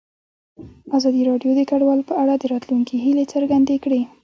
ازادي راډیو د کډوال په اړه د راتلونکي هیلې څرګندې کړې.